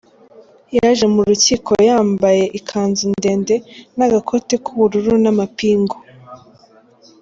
Yaje mu rukiko yambaye yambaye ikanzu ndende n'agakote k'ubururu n' amapingu.